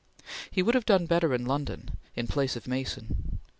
He would have done better in London, in place of Mason.